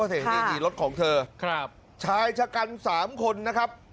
นี่รถของเธอชายชะกัน๓คนนะครับ